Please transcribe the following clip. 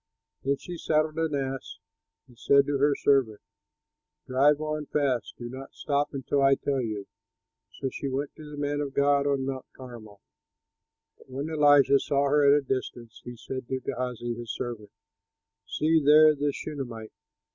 Then she saddled an ass and said to her servant, "Drive on fast, do not stop until I tell you." So she went to the man of God on Mount Carmel. But when Elisha saw her at a distance, he said to Gehazi, his servant, "See, there is the Shunamite!